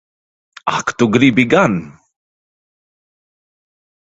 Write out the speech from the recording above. Ak tu gribi gan!